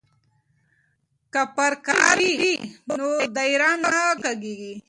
که پرکار وي نو دایره نه کږیږي.